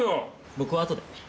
僕は後で。